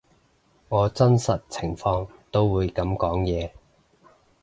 我真實情況都會噉講嘢